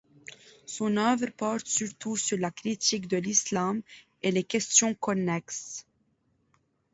Son œuvre porte surtout sur la critique de l'islam et les questions connexes.